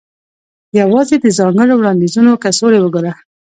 یوازې د ځانګړو وړاندیزونو کڅوړې وګوره